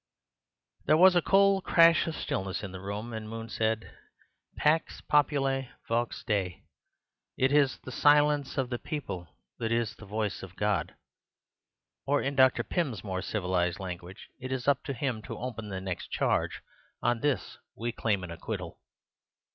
There was a cold crash of stillness in the room; and Moon said, "Pax populi vox Dei; it is the silence of the people that is the voice of God. Or in Dr. Pym's more civilized language, it is up to him to open the next charge. On this we claim an acquittal."